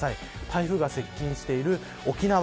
台風が接近している沖縄。